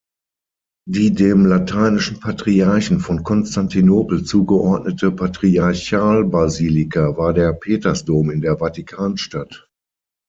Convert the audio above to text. Die dem Lateinischen Patriarchen von Konstantinopel zugeordnete Patriarchalbasilika war der Petersdom in der Vatikanstadt.